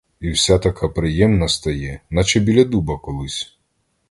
І вся така приємна стає, наче біля дуба колись!